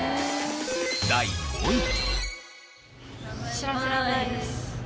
第５位。